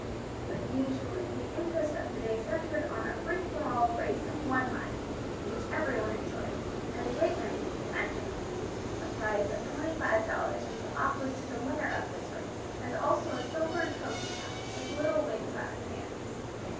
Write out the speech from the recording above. But usually the interest of the day centered on a free for all race of one mile, which everyone enjoyed, and a great many people entered. A prize of twenty five dollars was offered to the winner of this race, and also a silver trophy cup with little wings on its handles.